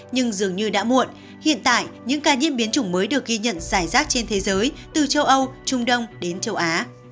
nhưng dường như đã muộn hiện tại những ca nhiễm biến chủng mới được ghi nhận giải rác trên thế giới từ châu âu trung đông đến châu á